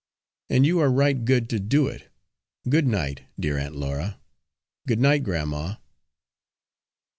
"And you are right good to do it! Good night, dear Aunt Laura! Good night, grandma!"